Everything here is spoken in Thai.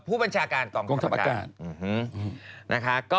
ผู้บัญชาการกองทัพอากาศนะคะ